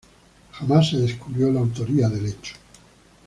Jamás se descubrió la autoría del hecho.